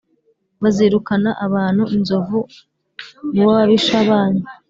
bazirukana abantu inzovu mubababisha banyu